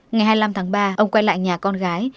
ngày hai mươi năm tháng ba ông quay lại nhà con gái